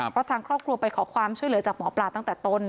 เพราะทางครอบครัวไปขอความช่วยเหลือจากหมอปลาตั้งแต่ต้น